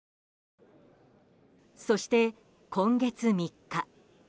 そして、今月３日。